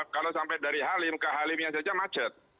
kalau sampai dari halim ke halimnya saja macet